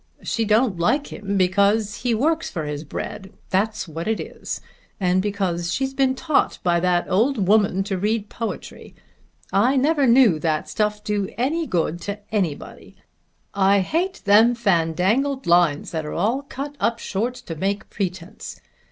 She don't like him because he works for his bread, that's what it is; and because she's been taught by that old woman to read poetry. I never knew that stuff do any good to anybody. I hate them fandangled lines that are all cut up short to make pretence.